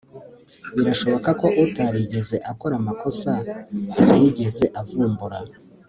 birashoboka ko utarigeze akora amakosa atigeze avumbura